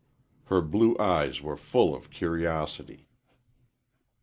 Her blue eyes were full of curiosity.